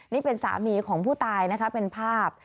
นี่เป็นสามีของผู้ตายนะคะเป็นภาพ